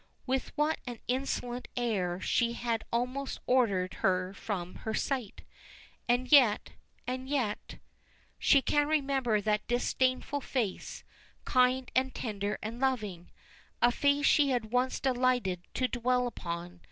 With what an insolent air she had almost ordered her from her sight. And yet and yet She can remember that disdainful face, kind and tender and loving! A face she had once delighted to dwell upon!